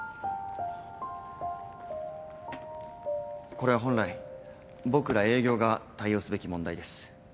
これは本来僕ら営業が対応すべき問題です。